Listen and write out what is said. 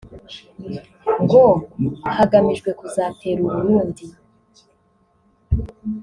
ngo hagamijwe kuzatera u Burundi